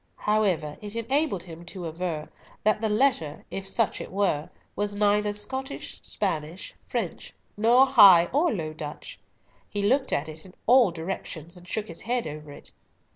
However, it enabled him to aver that the letter—if such it were—was neither Scottish, French, Spanish, nor High or Low Dutch. He looked at it in all directions, and shook his head over it.